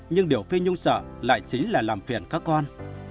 nhưng điều phi nhung sợ lại chính là làm phiền các con